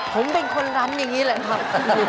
ผมเป็นคนรันอย่างนี้แหละครับ